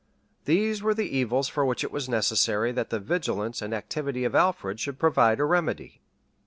These were the evils for which it was necessary that the vigilance and activity of Alfred should provide a remedy.